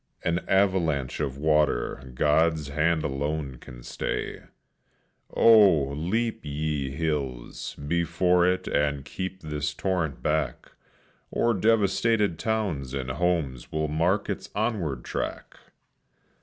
An avalanche of water God's hand alone can stay! Oh, leap, ye hills, before it and keep this torrent back, Or devastated towns and homes will mark its onward track!